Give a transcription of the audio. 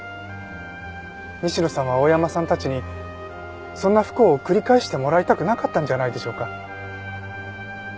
西野さんは大山さんたちにそんな不幸を繰り返してもらいたくなかったんじゃないでしょうか。